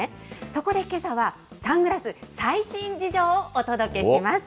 そこでけさは、サングラス最新事情をお届けします。